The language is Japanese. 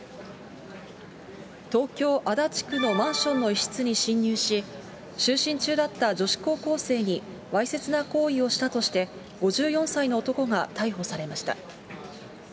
東京・足立区のマンションの一室に侵入し、就寝中だった女子高校生にわいせつな行為をしたとして、５４歳の男が逮捕されました。